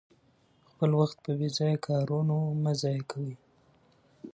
خپل وخت په بې ځایه کارونو مه ضایع کوئ.